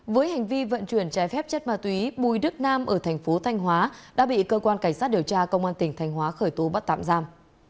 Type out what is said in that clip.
với hành vi vận chuyển trái phép chất ma túy bùi đức nam ở thành phố thanh hóa đã bị cơ quan cảnh sát điều tra công an tỉnh thanh hóa khởi tố bắt tạm giam